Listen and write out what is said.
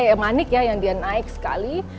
yang manik ya yang dia naik sekali